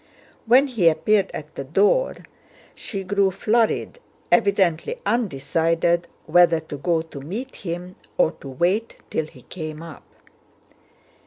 When he appeared at the door she grew flurried, evidently undecided whether to go to meet him or to wait till he came up.